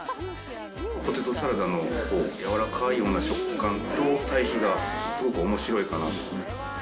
ポテトサラダの柔らかいような食感と対比がすごくおもしろいかなと。